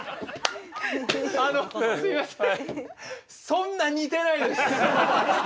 そんな似てないです。